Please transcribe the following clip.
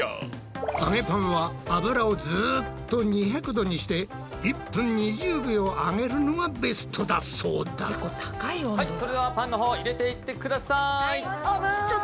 揚げパンは油をずっと２００℃にして１分２０秒揚げるのがベストだそうだはいそれではパンのほう入れていってください！